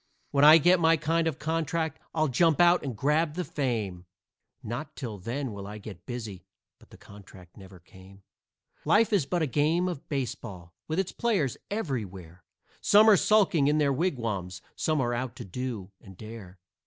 When I get my kind of contract, I'll jump out and grab the fame, Not till then will I get busy" but the contract never came. Life is but a game of baseball, with its players everywhere; Some are sulking in their wigwams, some are out to do and dare.